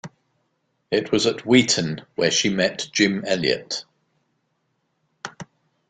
It was at Wheaton where she met Jim Elliot.